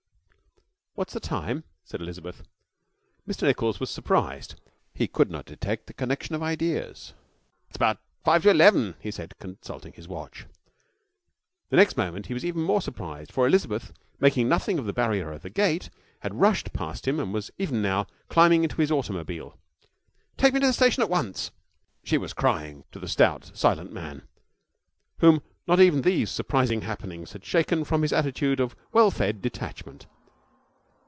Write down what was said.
'What's the time?' said Elizabeth. Mr Nichols was surprised. He could not detect the connexion of ideas. 'It's about five to eleven,' he said, consulting his watch. The next moment he was even more surprised, for Elizabeth, making nothing of the barrier of the gate, had rushed past him and was even now climbing into his automobile. 'Take me to the station, at once,' she was crying to the stout, silent man, whom not even these surprising happenings had shaken from his attitude of well fed detachment.